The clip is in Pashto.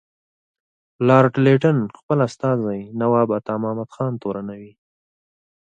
لارډ لیټن خپل استازی نواب عطامحمد خان تورنوي.